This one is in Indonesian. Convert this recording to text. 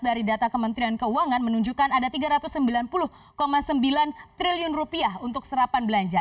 dari data kementerian keuangan menunjukkan ada tiga ratus sembilan puluh sembilan triliun rupiah untuk serapan belanja